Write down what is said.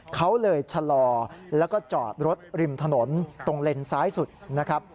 เขาเลยชะลอแล้วก็จอดรถริมถนนตรงเลนซ้ายสุดนะครับ